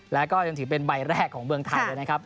แล้วก็ยังถือเป็นใบแรกของเมืองไทยเลยนะครับ